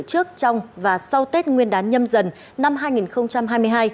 trước trong và sau tết nguyên đán nhâm dần năm hai nghìn hai mươi hai